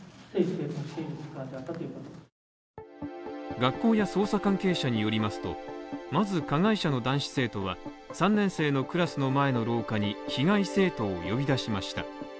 学校や捜査関係者によりますと、まず加害者の男子生徒は３年生のクラスの前の廊下に、被害生徒を呼び出しました。